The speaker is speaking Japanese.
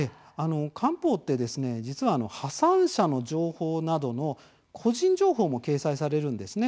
官報は破産者の情報など個人情報も掲載されるんです。